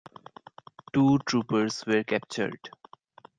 Two troopers were captured.